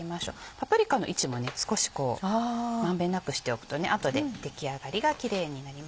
パプリカの位置も少しこう満遍なくしておくと後で出来上がりがキレイになります。